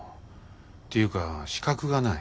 っていうか資格がない。